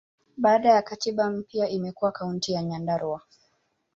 Baada ya katiba mpya, imekuwa Kaunti ya Nyandarua.